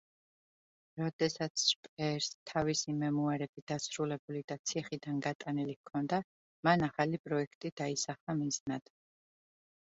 როდესაც შპეერს თავისი მემუარები დასრულებული და ციხიდან გატანილი ჰქონდა, მან ახალი პროექტი დაისახა მიზნად.